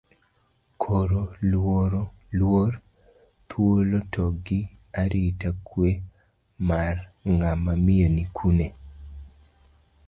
Koro, luor, thuolo to gi arita kwe mar ng'ama miyo ni kune?